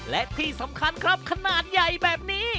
และที่สำคัญครับขนาดใหญ่แบบนี้